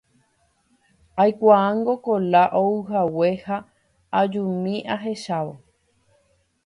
Aikuaángo Kola ouhague ha ajumi ahechávo.